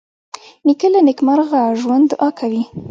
نیکه له نیکمرغه ژوند دعا کوي.